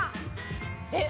えっ！